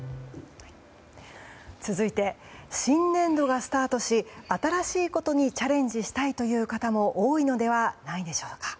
続いて新年度がスタートし新しいことにチャレンジしたいという方も多いのではないでしょうか。